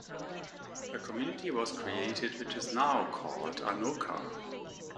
A community was created which is now called Anoka.